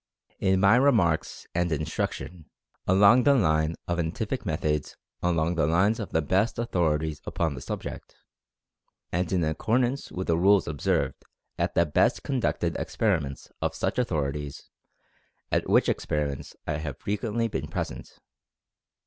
In my remarks, and instruction, along the line of entific methods along the lines of the best authorities upon the subject, and in accordance with the rules observed at the best conducted experiments of such authorities, at which experiments I have frequently been present.